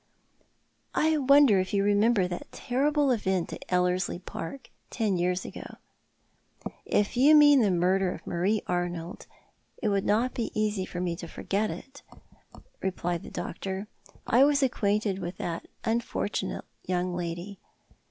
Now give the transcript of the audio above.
" I wonder if you remember that terrible event at EUerslie Park, ten years " If you mean the murder of IMarie Arnold it would not be easy for me to forget it," replied the doctor. " I was acquainted with that unfortunate young lady.